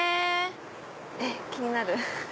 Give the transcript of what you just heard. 気になる！